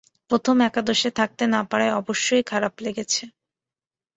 প্রথম একাদশে থাকতে না পারায় অবশ্যই খারাপ লেগেছে।